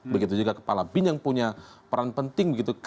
begitu juga kepala bin yang punya peran penting begitu